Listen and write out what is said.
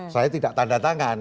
saya tidak tanda tangan